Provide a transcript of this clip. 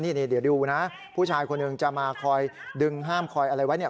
นี่เดี๋ยวดูนะผู้ชายคนหนึ่งจะมาคอยดึงห้ามคอยอะไรไว้เนี่ย